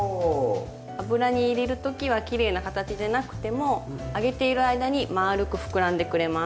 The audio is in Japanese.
油に入れる時はきれいな形でなくても揚げている間にまあるくふくらんでくれます。